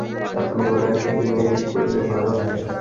আপনি উনাকে ই-মেইল করলে ভালো হয়।